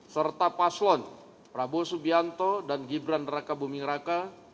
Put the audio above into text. serta paslon prabowo subianto dan gibran raka buming raka